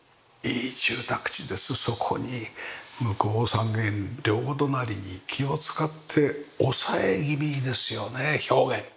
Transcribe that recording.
そこに向こう三軒両隣に気を使って抑え気味ですよね表現。